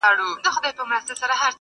له اورنګه یې عبرت نه وو اخیستی!